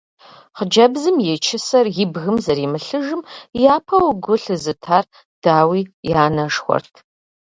Хъыджэбзым и чысэр и бгым зэримылъыжым япэу гу лъызытар, дауи, и анэшхуэрт.